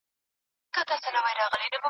پوهه لرونکې مور د ماشوم خوندیتوب تضمینوي.